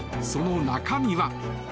その中身は。